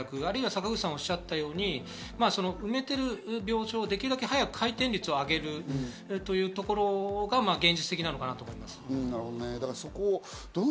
あるいは坂口さんがおっしゃったように、埋めている病床をできるだけ早く回転率を上げるというところが現実的かなと思います。